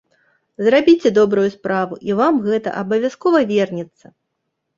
Зрабіце добрую справу і вам гэта абавязкова вернецца!